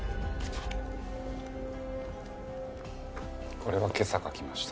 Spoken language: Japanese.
これは今朝描きました。